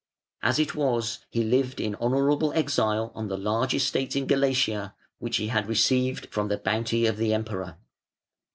As it was, he lived in honourable exile on the large estates in Galatia, which he had received from the bounty of the Emperor.